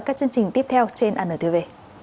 các chương trình tiếp theo trên anntv